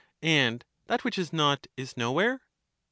And that which is not is nowhere?